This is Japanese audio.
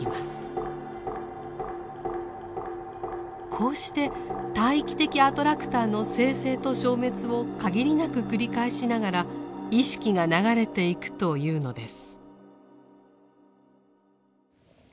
こうして大域的アトラクターの生成と消滅を限りなく繰り返しながら意識が流れていくというのです。